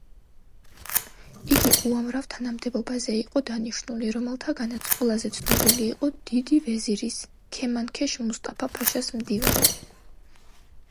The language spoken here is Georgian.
იგი უამრავ თანამდებობაზე იყო დანიშნული, რომელთაგანაც ყველაზე ცნობილი იყო დიდი ვეზირის, ქემანქეშ მუსტაფა-ფაშას მდივანი.